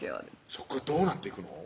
そこからどうなっていくの？